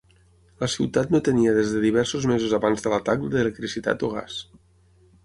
La ciutat no tenia des de diversos mesos abans de l'atac d'electricitat o gas.